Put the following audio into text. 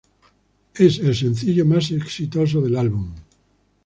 Es el sencillo más exitoso del álbum.